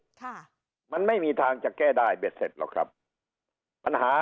ค่ะมันไม่มีทางจะแก้ได้เบ็ดเสร็จหรอกครับปัญหา